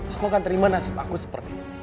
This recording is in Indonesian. aku akan terima nasib aku seperti ini